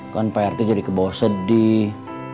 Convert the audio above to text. kan pak rt jadi kebawa sedih